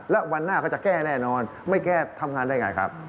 แล้ววันหน้าก็จะแก้แน่นอนไม่แก้ทำงานได้ไงครับ